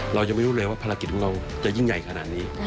เรายังไม่รู้เลยว่าภารกิจของเราจะยิ่งใหญ่ขนาดนี้